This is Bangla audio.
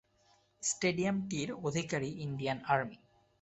স্টেডিয়ামটির অধিকারী ইন্ডিয়ান আর্মি।